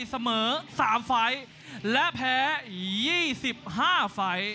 เสมอ๓ไฟล์และแพ้๒๕ไฟล์